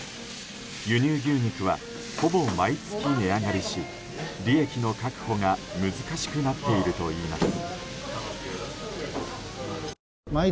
輸入牛肉はほぼ毎月、値上がりし利益の確保が難しくなっているといいます。